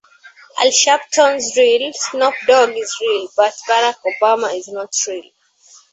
Al Sharpton's real, Snoop Dogg is real, but Barack Obama is not real.